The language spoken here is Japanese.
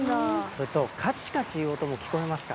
それとカチカチいう音も聞こえますか？